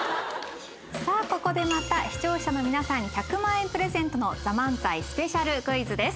ここでまた視聴者の皆さんに１００万円プレゼントの『ＴＨＥＭＡＮＺＡＩ』スペシャルクイズです。